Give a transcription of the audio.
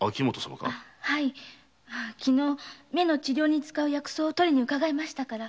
昨日目の治療に使う薬草を取りにうかがいましたから。